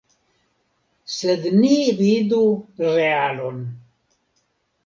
Sed ni vidu realon.